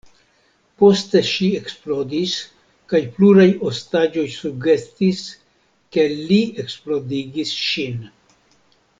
Poste ŝi eksplodis kaj pluraj ostaĝoj sugestis, ke li eksplodigis ŝin.